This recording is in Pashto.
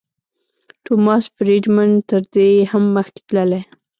ټوماس فریډمن تر دې هم مخکې تللی.